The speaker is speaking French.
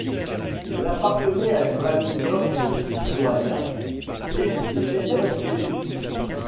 Il appartenait à une famille noble de Pistoia et fut élève des Jésuites.